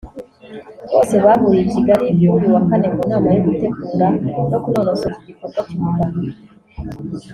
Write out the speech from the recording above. bose bahuriye i Kigali kuri uyu wa kane mu nama yo gutegura no kunonosora iki gikorwa cy’umuganda